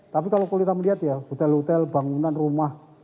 tapi kalau kita melihat ya hotel hotel bangunan rumah